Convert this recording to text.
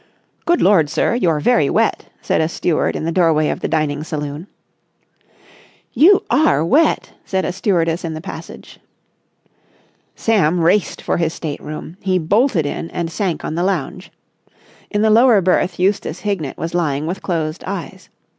"Good Lord, sir! You're very wet!" said a steward in the doorway of the dining saloon. "You are wet," said a stewardess in the passage. Sam raced for his state room. He bolted in and sank on the lounge. In the lower berth Eustace Hignett was lying with closed eyes.